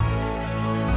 aku atau mbak gita